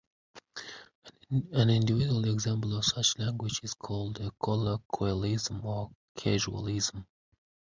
An individual example of such language is called a colloquialism or "casualism".